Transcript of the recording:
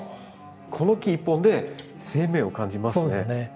この木一本で生命を感じますね。